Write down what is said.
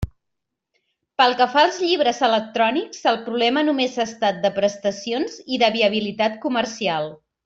Pel que fa als llibres electrònics el problema només ha estat de prestacions i de viabilitat comercial.